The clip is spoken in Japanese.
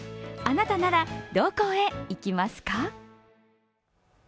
あなたなら、どこへ行きますか？